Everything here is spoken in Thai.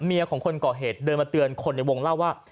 ของคนก่อเหตุเดินมาเตือนคนในวงเล่าว่า